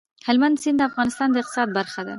هلمند سیند د افغانستان د اقتصاد برخه ده.